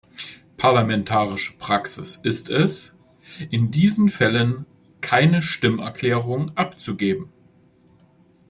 Parlamentarische Praxis ist es, in diesen Fällen keine Stimmerklärungen abzugeben.